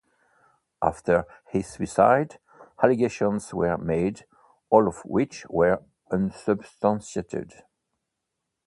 After his suicide, allegations were made, all of which were unsubstantiated.